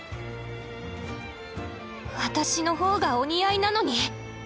私の方がお似合いなのに！